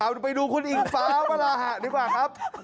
ไปดูคุณอิงฟ้าวราหะดีกว่าครับ